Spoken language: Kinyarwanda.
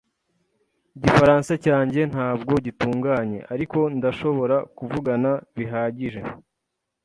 Igifaransa cyanjye ntabwo gitunganye, ariko ndashobora kuvugana bihagije.